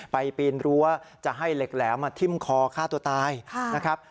ปีนรั้วจะให้เหล็กแหลมมาทิ้มคอฆ่าตัวตายนะครับ